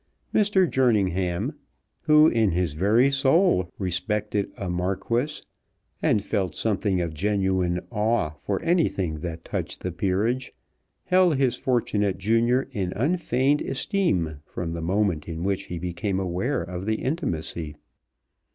Mr. Jerningham, who in his very soul respected a Marquis, and felt something of genuine awe for anything that touched the peerage, held his fortunate junior in unfeigned esteem from the moment in which he became aware of the intimacy.